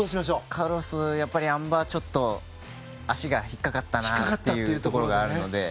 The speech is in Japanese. カルロス、あん馬はちょっと足が引っかかったなというところがあるので。